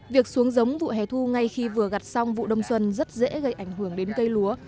việc xuống giống vụ hè thu ngay khi vừa gặt xong vụ đông xuân rất dễ gây ảnh hưởng đến cây lúa